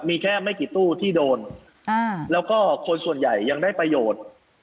มีแค่ไม่กี่ตู้ที่โดนแล้วก็คนส่วนใหญ่ยังได้ประโยชน์